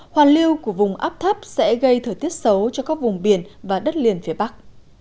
hoàn lưu của vùng áp thấp sẽ gây thời tiết xấu cho các vùng biển và đất liền phía bắc